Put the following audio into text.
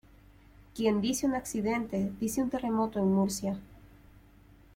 quien dice un accidente dice un terremoto en Murcia